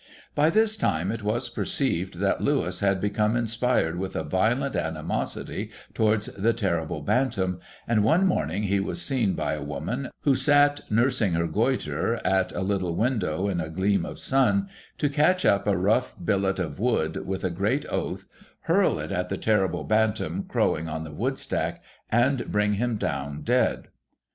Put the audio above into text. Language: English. By this time it was perceived that Louis had become inspired with a violent animosity towards the terrible Bantam, and one morning he was seen by a woman, who sat nursing her goitre at a little window in a gleam of sun, to catch up a rough billet of wood, with a great oath, hurl it at the terrible Bantam crowing on the wood stack, and bring him down dead.